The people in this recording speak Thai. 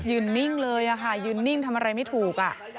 นิ่งเลยค่ะยืนนิ่งทำอะไรไม่ถูก